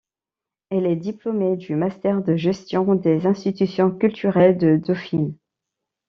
Elle est diplômée du mastère de gestion des institutions culturelles de Dauphine.